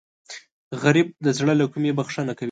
غریب د زړه له کومې بښنه کوي